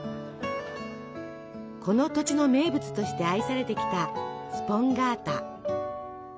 この土地の名物として愛されてきたスポンガータ。